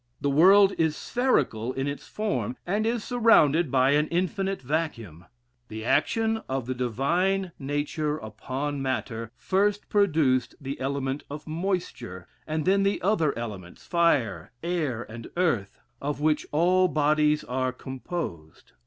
The world is spherical in its form; and is surrounded by an infinite vacuum. The action of the divine nature upon matter first produced the element of moisture, and then the other elements, fire, air, and earth, of which all bodies are composed.